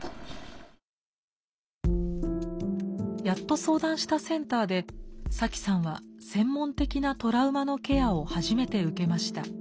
やっと相談したセンターでサキさんは専門的なトラウマのケアを初めて受けました。